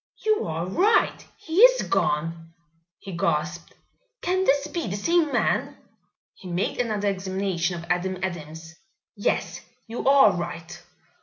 "You are right, he is gone!" he gasped. "Can this be the same man?" He made another examination of Adam Adams. "Yes, you are right.